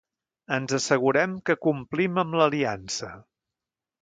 Ens assegurem que complim amb l'aliança.